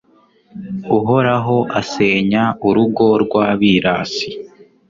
Uhoraho asenya urugo rw’abirasi